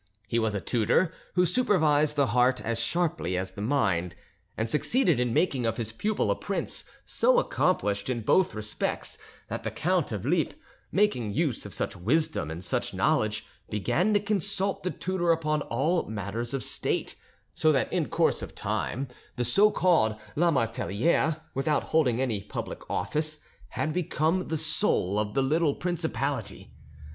He was a tutor who supervised the heart as sharply as the mind, and succeeded in making of his pupil a prince so accomplished in both respects, that the Count of Lippe, making use of such wisdom and such knowledge, began to consult the tutor upon all matters of State, so that in course of time the so called Lamartelliere, without holding any public office, had become the soul of the little principality.